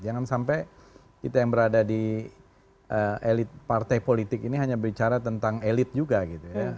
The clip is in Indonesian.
jangan sampai kita yang berada di elit partai politik ini hanya bicara tentang elit juga gitu ya